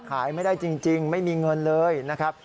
ขายไม่ได้จริงไม่มีเงินเลยนะครับ